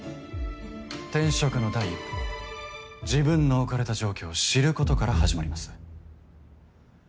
転職の第一歩は自分の置かれた状況を知ることから始まります。